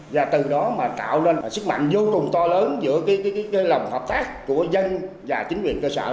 và từ đó mà tạo nên sức mạnh vô cùng to lớn giữa cái lòng hợp tác của dân và chính quyền cơ sở